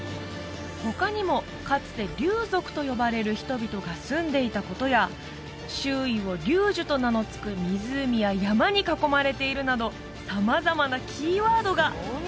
他にもかつて龍族と呼ばれる人々が住んでいたことや周囲を龍樹と名の付く湖や山に囲まれているなど様々なキーワードが！